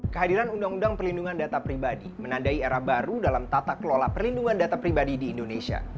kehadiran undang undang perlindungan data pribadi menandai era baru dalam tata kelola perlindungan data pribadi di indonesia